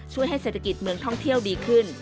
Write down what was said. ให้เศรษฐกิจเมืองท่องเที่ยวดีขึ้น